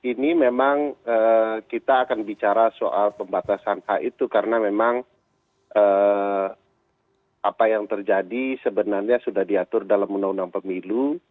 ini memang kita akan bicara soal pembatasan hak itu karena memang apa yang terjadi sebenarnya sudah diatur dalam undang undang pemilu